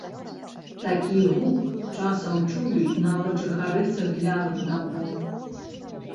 Такі гук часам чуюць нават жыхары цагляных дамоў.